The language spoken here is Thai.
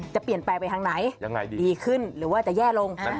จะเปลี่ยนแปลงไปทางไหนยังไงดีขึ้นหรือว่าจะแย่ลง